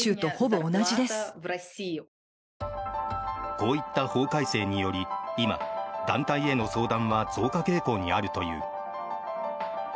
こういった法改正により今、団体への相談は増加傾向にあるという。